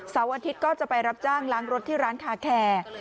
อาทิตย์ก็จะไปรับจ้างล้างรถที่ร้านคาแคร์